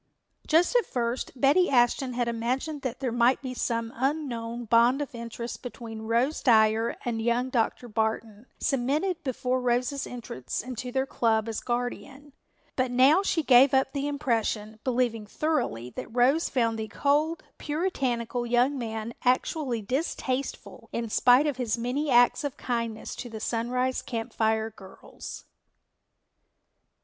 Just at first Betty Ashton had imagined that there might be some unknown bond of interest between Rose Dyer and young Dr. Barton, cemented before Rose's entrance into their club as guardian. But now she gave up the impression, believing thoroughly that Rose found the cold, puritanical young man actually distasteful in spite of his many acts of kindness to the Sunrise Camp Fire girls.